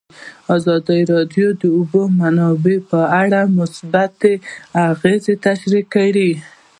ازادي راډیو د د اوبو منابع په اړه مثبت اغېزې تشریح کړي.